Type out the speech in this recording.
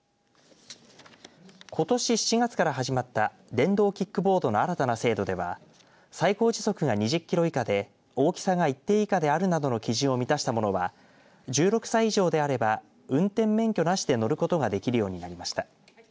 ことし７月から始まった電動キックボードの新たな制度では最高時速が２０キロ以下で大きさが一定以下であるなどの基準を満たしたものは１６歳以上であれば運転免許なしで乗ることができるようになりました。